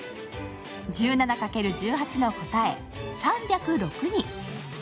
１７×１８の答え３０６に。